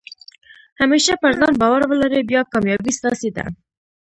همېشه پر ځان بارو ولرئ، بیا کامیابي ستاسي ده.